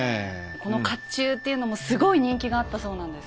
この甲冑っていうのもすごい人気があったそうなんです。